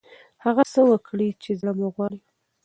هغه څه وکړئ چې زړه مو غواړي.